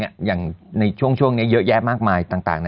อย่างในช่วงนี้เยอะแยะมากมายต่าง